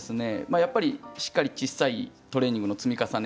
やっぱりしっかりちっさいトレーニングの積み重ね。